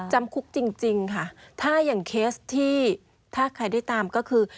จำคุกจริงค่ะถ้าอย่างเคสที่ถ้าใครได้ตามก็คือ